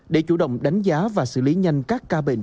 để chủ động đánh giá và xử lý nhanh các ca bệnh